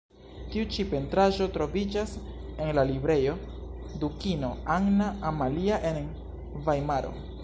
Tiu ĉi pentraĵo troviĝas en la Librejo Dukino Anna Amalia en Vajmaro.